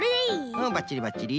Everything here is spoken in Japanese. うんばっちりばっちり。